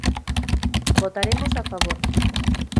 Votaremos a favor.